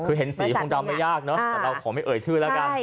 คือเห็นสีคงดำไม่ยากเนอะแต่เราขอไม่เอ่ยชื่อแล้วกัน